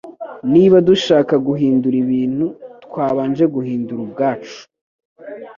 Niba dushaka guhindura ibintu, twabanje guhindura ubwacu.